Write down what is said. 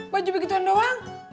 baju begitu doang